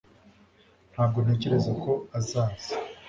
Ntabwo ntekereza ko azaza